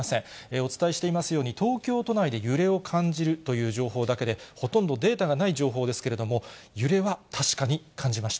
お伝えしていますように、東京都内で揺れを感じるという情報だけで、ほとんどデータがない情報ですけれども、揺れは確かに感じました。